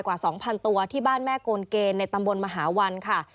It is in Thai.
กว่า๒๐๐ตัวที่บ้านแม่โกนเกณฑ์ในตำบลมหาวันค่ะ